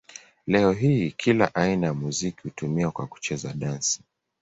Leo hii kila aina ya muziki hutumiwa kwa kucheza dansi.